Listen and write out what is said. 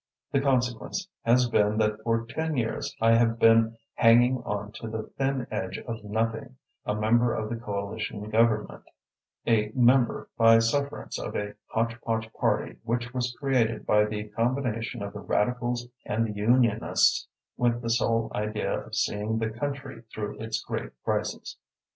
The consequence has been that for ten years I have been hanging on to the thin edge of nothing, a member of the Coalition Government, a member by sufferance of a hotchpotch party which was created by the combination of the Radicals and the Unionists with the sole idea of seeing the country through its great crisis.